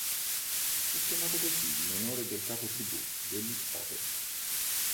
Fu chiamata così in onore del capotribù degli Oto.